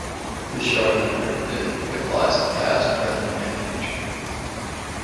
This yard-measure, then, he applies to past, present, and future.